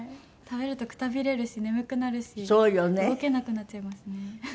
食べるとくたびれるし眠くなるし動けなくなっちゃいますね。